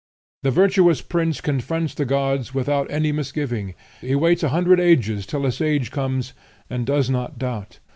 "The virtuous prince confronts the gods, without any misgiving. He waits a hundred ages till a sage comes, and does not doubt.